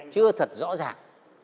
chưa thật rõ ràng